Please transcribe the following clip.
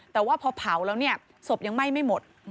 แต่ว่าพอเผาแล้วเนี่ยศพยังไหม้ไม่หมด